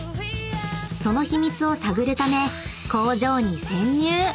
その秘密を探るため工場に潜入］